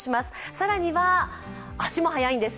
さらには足も速いんです。